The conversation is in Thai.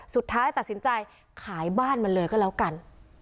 สุดท้ายตัดสินใจขายบ้านมันเลยก็แล้วกัน